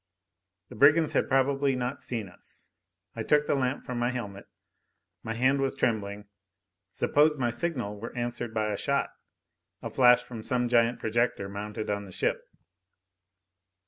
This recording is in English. The brigands had probably not yet seen us. I took the lamp from my helmet. My hand was trembling. Suppose my signal were answered by a shot? A flash from some giant projector mounted on the ship?